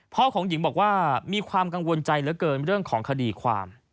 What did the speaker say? ของหญิงบอกว่ามีความกังวลใจเหลือเกินเรื่องของคดีความ